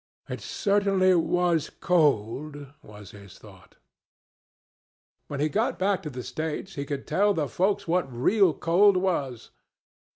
It certainly was cold, was his thought. When he got back to the States he could tell the folks what real cold was.